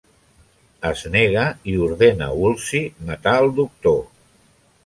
Es nega i ordena Woolsey matar el Doctor.